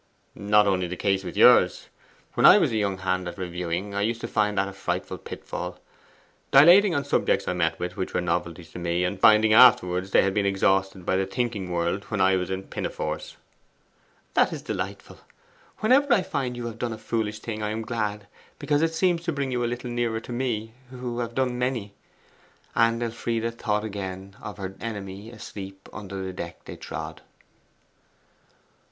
'Not only the case with yours. When I was a young hand at reviewing I used to find that a frightful pitfall dilating upon subjects I met with, which were novelties to me, and finding afterwards they had been exhausted by the thinking world when I was in pinafores.' 'That is delightful. Whenever I find you have done a foolish thing I am glad, because it seems to bring you a little nearer to me, who have done many.' And Elfride thought again of her enemy asleep under the deck they trod.